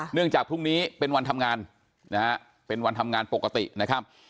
จากพรุ่งนี้เป็นวันทำงานนะฮะเป็นวันทำงานปกตินะครับ